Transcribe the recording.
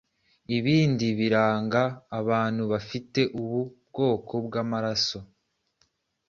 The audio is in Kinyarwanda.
Ibindi biranga abantu bafite ubu ubwoko bw’amaraso